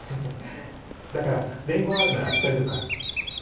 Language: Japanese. だから伝言あるなら伝えとくから。